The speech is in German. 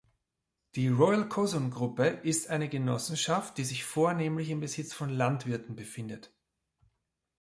Die Royal Cosun-Gruppe ist eine Genossenschaft, die sich vornehmlich im Besitz von Landwirten befindet.